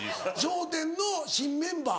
『笑点』の新メンバー。